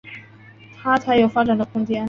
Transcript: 他才有发展的空间